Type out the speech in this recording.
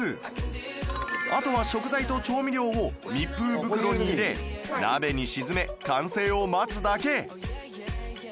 あとは食材と調味料を密封袋に入れ鍋に沈め完成を待つだけ